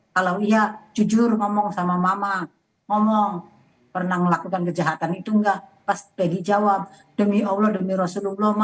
kalau saya mau pulang saya peluk saya ciumin